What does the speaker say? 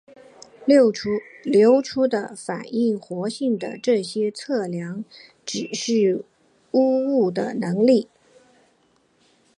流出物的反应活性的这些测量指示污染的能力。